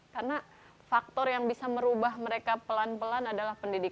karena faktor yang bisa merubah mereka pelan pelan adalah pendidikan